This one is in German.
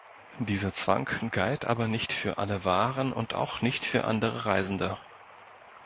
Dieser Zwang galt aber nicht für alle Waren und auch nicht für andere Reisende.